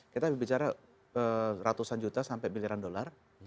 kita bicara ratusan juta sampai biliran dolar